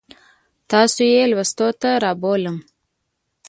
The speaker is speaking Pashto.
تاسو یې لوستو ته رابولم.